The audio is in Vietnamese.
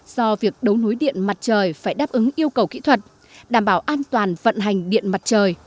do việc đấu nối điện mặt trời phải đáp ứng yêu cầu kỹ thuật đảm bảo an toàn vận hành điện mặt trời